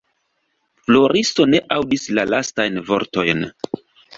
Floriso ne aŭdis la lastajn vortojn.